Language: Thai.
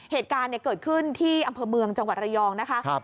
เหตุการณ์เกิดขึ้นที่อำเภอเมืองจังหวัดระยองนะคะ